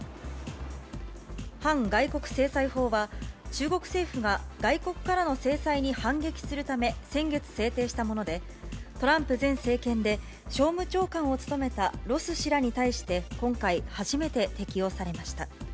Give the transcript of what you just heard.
反外国制裁法は、中国政府が外国からの制裁に反撃するため先月、制定したもので、トランプ前政権で、商務長官を務めたロス氏らに対して今回、初めて適用されました。